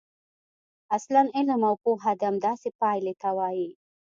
اصلاً علم او پوهه همداسې پایلې ته وايي.